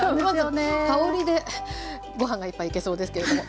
香りでご飯が１杯いけそうですけれども。